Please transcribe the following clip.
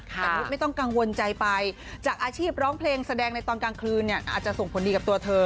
แต่นุษย์ไม่ต้องกังวลใจไปจากอาชีพร้องเพลงแสดงในตอนกลางคืนเนี่ยอาจจะส่งผลดีกับตัวเธอ